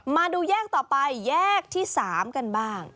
มาดูแยกต่อไปแยกที่๓กันบ้าง